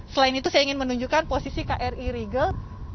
selain itu saya ingin menunjukkan posisi kri rigel